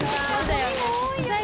ゴミも多いよね。